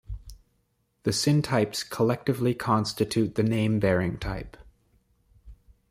The syntypes collectively constitute the name-bearing type.